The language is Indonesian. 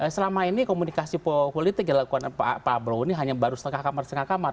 selama ini komunikasi politik yang dilakukan pak prabowo ini hanya baru setengah kamar setengah kamar